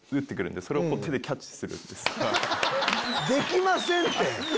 できませんって！